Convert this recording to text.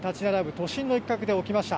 都心の一角で起きました。